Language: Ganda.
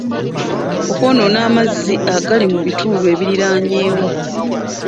Okwonoona amazzi agali mu bitundu ebiriraanyeewo.